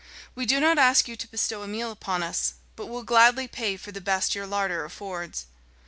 We do not ask you to bestow a meal upon us, but will gladly pay for the best your larder affords."